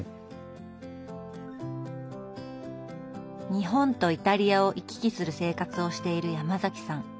日本とイタリアを行き来する生活をしているヤマザキさん。